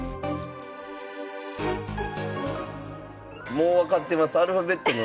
もう分かってます。